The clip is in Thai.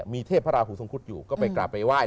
มีเทพพระราหูทรงคุฎอยู่ก็ไปกราบไปไหว้